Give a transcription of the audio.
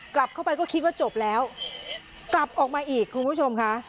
กลับเข้าไปก็คิดว่าจบแล้วกลับออกมาอีกคุณผู้ชมค่ะ